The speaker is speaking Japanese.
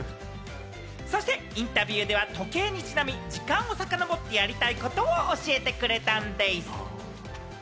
そしてインタビューでは、時計にちなみ、時間をさかのぼってやりたいことを教えてくれたんでぃす。